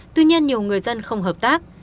tuy nhiên nhiều người dân không hợp tác